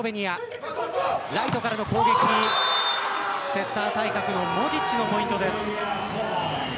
セッター対角のモジッチのポイントです。